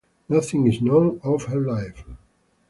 Nothing is known of her life.